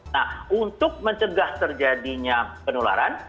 nah untuk mencegah terjadinya penularan